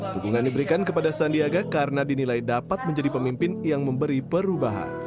hubungan diberikan kepada sandiaga karena dinilai dapat menjadi pemimpin yang memberi perubahan